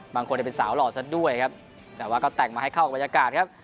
บางคนเป็นสาวหล่อซะด้วยครับแต่ว่าก็แต่งมาให้เข้าบรรยากาศครับ